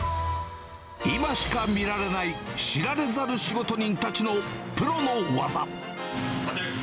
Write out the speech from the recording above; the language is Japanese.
今しか見られない知られざる仕事人たちのプロの技。